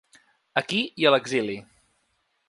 Aquí i a l’exili.